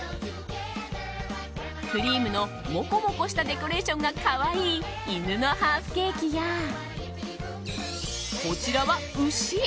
クリームのもこもこしたデコレーションが可愛い犬のハーフケーキやこちらは牛！